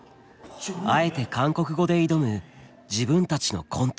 あえて韓国語で挑む自分たちのコント。